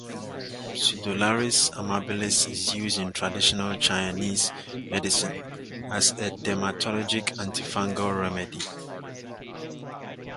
"Pseudolarix amabilis" is used in traditional Chinese medicine as dermatologic antifungal remedy.